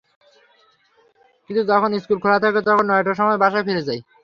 কিন্তু যখন স্কুল খোলা থাকে তখন নয়টার সময় বাসায় ফিরে যায়।